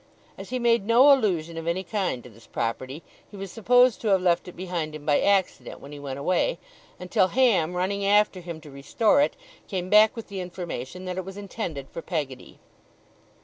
As he made no allusion of any kind to this property, he was supposed to have left it behind him by accident when he went away; until Ham, running after him to restore it, came back with the information that it was intended for Peggotty.